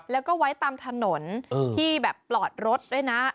แล้วก็ไว้ตามถนนที่แบบปลอดรถด้วยนะ